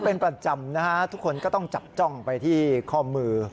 เป็นประจำนะฮะทุกคนก็ต้องจับจ้องไปที่ข้อมือ